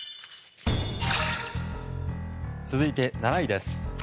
続いて７位です。